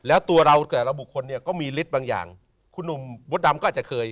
แล้วตัวเราแต่ละบุคคลเนี่ยก็มีฤทธิ์บางอย่างคุณหนุ่มมดดำก็อาจจะเคย